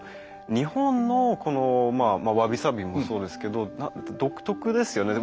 日本のこのまあ侘寂もそうですけど独特ですよね